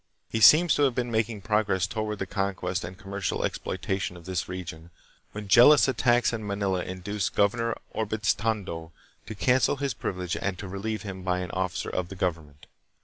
He seems to have been making progress toward the conquest and commercial exploitation of this region, when jealous attacks in Manila induced Governor Urbiz tondo to cancel his privilege and to relieve him by an officer of the government.